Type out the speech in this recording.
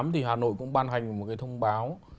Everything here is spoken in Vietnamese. thì hà nội cũng ban hành một cái thông báo